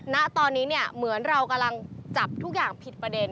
ณตอนนี้เนี่ยเหมือนเรากำลังจับทุกอย่างผิดประเด็น